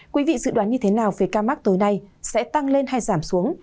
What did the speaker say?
quý vị dự đoán như thế nào về ca mắc tối nay sẽ tăng lên hay giảm xuống